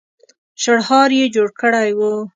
شړهار يې جوړ کړی و.